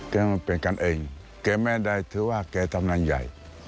มันเป็นกันเองแกไม่ได้ถือว่าแกทำงานใหญ่